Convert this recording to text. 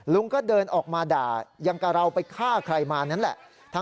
ลุงก็เดินออกมาด่ายังกับเราไปฆ่าใครมานั่นแหละ